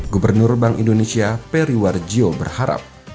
gubernur bank indonesia periwar jio berharap